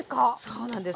そうなんです。